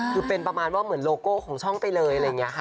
คือเป็นประมาณว่าเหมือนโลโก้ของช่องไปเลยอะไรอย่างนี้ค่ะ